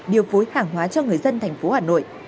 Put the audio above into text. điều phối hàng hóa cho người dân tp hà nội